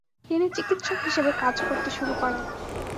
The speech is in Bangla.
তিনি চিকিৎসক হিসেবে কাজ করতে শুরু করেন।